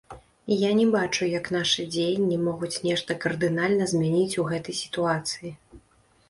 Я не бачу, як нашы дзеянні могуць нешта кардынальна змяніць у гэтай сітуацыі.